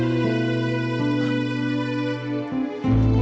setiap malam jumat kliwon